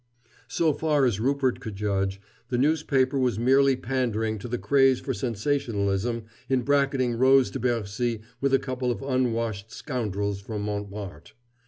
So far as Rupert could judge, the newspaper was merely pandering to the craze for sensationalism in bracketing Rose de Bercy with a couple of unwashed scoundrels from Montmartre.